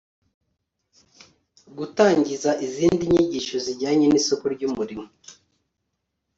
gutangiza izindi nyigisho zijyanye n'isoko ry'umurimo